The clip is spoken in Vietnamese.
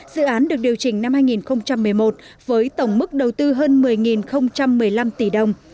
dự án được điều chỉnh năm hai nghìn một mươi một với tổng mức đầu tư hơn một mươi một mươi năm tỷ đồng